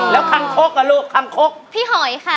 แล้วคางคกอ่ะลูกคังคกพี่หอยค่ะ